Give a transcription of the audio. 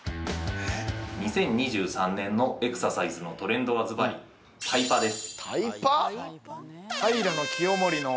◆２０２３年のエクササイズのトレンドは、ずばりタイパです。